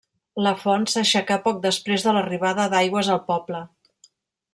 La font s'aixecà poc després de l'arribada d'aigües al poble.